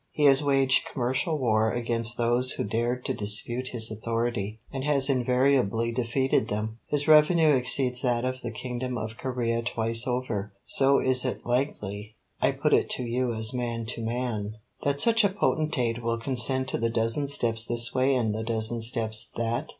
He has waged commercial war against those who dared to dispute his authority, and has invariably defeated them. His revenue exceeds that of the kingdom of Corea twice over, so is it likely, I put it to you as man to man, that such a potentate will consent to the dozen steps this way, and the dozen steps that?